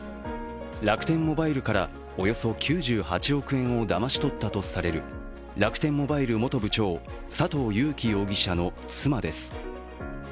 楽天モバイルからおよそ９８億円をだまし取ったとされる楽天モバイル元部長、佐藤友紀容疑者の妻です。